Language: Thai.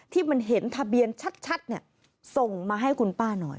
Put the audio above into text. ที่มันเห็นทะเบียนชัดส่งมาให้คุณป้าหน่อย